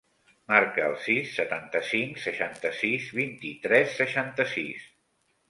Marca el sis, setanta-cinc, seixanta-sis, vint-i-tres, seixanta-sis.